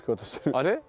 あれ？